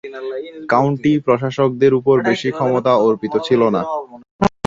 County প্রশাসকদের উপর বেশি ক্ষমতা অর্পিত ছিলনা।